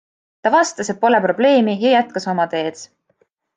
Ta vastas, et pole probleemi ja jätkas oma teed.